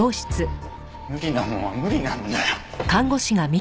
無理なもんは無理なんだよ！